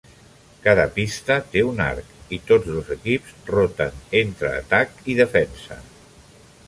Cada pista té un arc i tots dos equips roten entre atac i defensa.